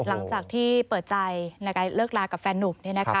หลังจากที่เปิดใจในการเลิกลากับแฟนหนุ่มนี่นะครับ